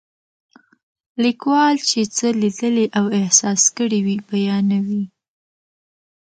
لیکوال چې څه لیدلي او احساس کړي وي بیانوي.